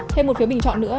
thêm một phiếu bình chọn nữa